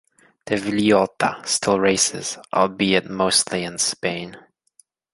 De Villota still races, albeit mostly in Spain.